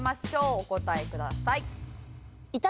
お答えください。